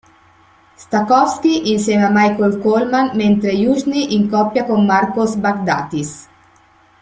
Stachovs'kyj insieme a Michael Kohlmann mentre Južnyj in coppia con Marcos Baghdatis.